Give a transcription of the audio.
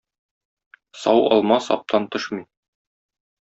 Сау алма саптан төшми.